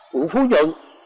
quận phú duận